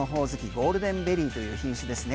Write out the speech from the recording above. ゴールデンベリーという品種ですね。